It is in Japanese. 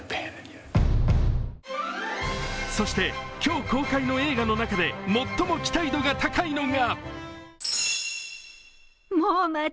そして今日公開の映画の中で最も期待度が高いのが。